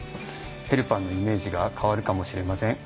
ヘルパーのイメージが変わるかもしれません。